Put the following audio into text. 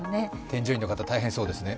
添乗員の方、大変そうですね